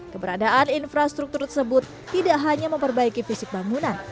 keberadaan infrastruktur tersebut tidak hanya memperbaiki fisik bangunan